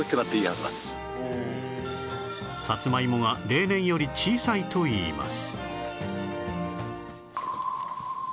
さつまいもが例年より小さいといいます